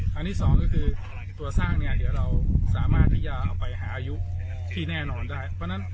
ทางที่สองคือตัวสร้างที่เราสามารถถยาไปอายุที่แน่นอนได้